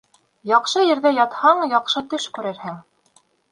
Яҡшы ерҙә ятһаң, яҡшы төш күрерһең.